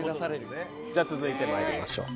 じゃあ続いてまいりましょう。